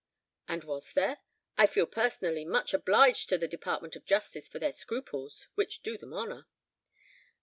"And was there? I feel personally much obliged to the Department of Justice for their scruples, which do them honour."